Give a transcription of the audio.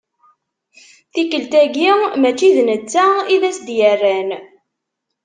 Tikkelt-agi mačči d netta i d as-d-yerran.